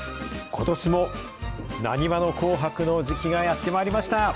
ことしもなにわの紅白の時期がやってまいりました。